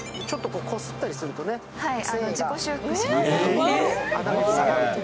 ちょっとこすったりすると繊維がね。